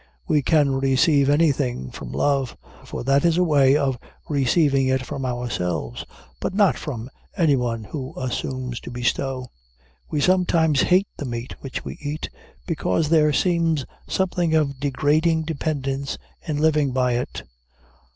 We can receive anything from love, for that is a way of receiving it from ourselves; but not from anyone who assumes to bestow. We sometimes hate the meat which we eat, because there seems something of degrading dependence in living by it.